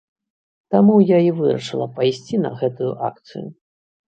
Таму я і вырашыла пайсці на гэтую акцыю.